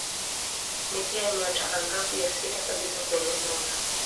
Ni pia nyota angavu ya sita kabisa kwenye anga.